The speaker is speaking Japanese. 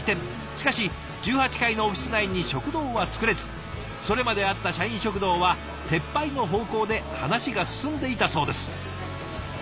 しかし１８階のオフィス内に食堂は作れずそれまであった社員食堂は撤廃の方向で話が進んでいたそうです。